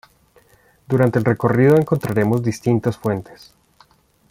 Durante el recorrido encontraremos distintas fuentes.